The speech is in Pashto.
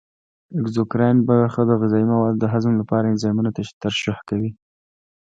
اګزوکراین برخه د غذایي موادو د هضم لپاره انزایمونه ترشح کوي.